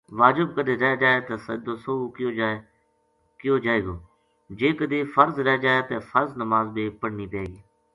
واجب کدے رہ جائے تے سجدو سہوو کیو جائے گو جے کدے فرض رہ جائے تے فر نماز بھی پڑھنی پے گی۔